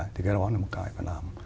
thì cái đó là một cái phải làm